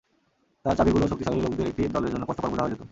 তার চাবিগুলো শক্তিশালী লোকদের একটি দলের জন্যে কষ্টকর বোঝা হয়ে যেতো।